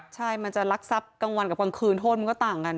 ใช่มันจะรักทรัพย์กลางวันกับกลางคืนโทษมันก็ต่างกัน